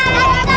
gak ada apa apa